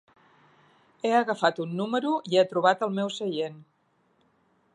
He agafat un número i he trobat el meu seient.